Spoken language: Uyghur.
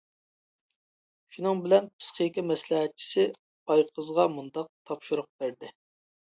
شۇنىڭ بىلەن پىسخىكا مەسلىھەتچىسى ئايقىزغا مۇنداق تاپشۇرۇق بەردى.